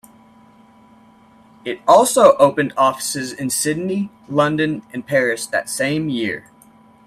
It also opened offices in Sydney, London and Paris that same year.